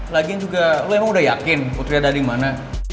lagian juga lo emang udah yakin putri ada dimana